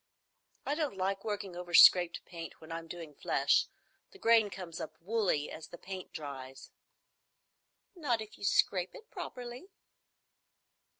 "I don't like working over scraped paint when I'm doing flesh. The grain comes up woolly as the paint dries." "Not if you scrape properly."